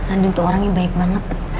andin tuh orangnya baik banget